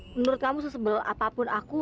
menurut kamu sesebel apapun aku